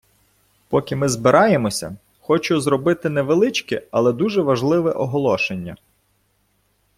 Поки ми збираємося, хочу зробити невеличке, але дуже важливе оголошення.